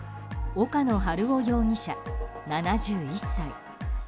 岡野晴夫容疑者、７１歳。